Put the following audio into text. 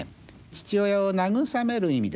父親を慰める意味でね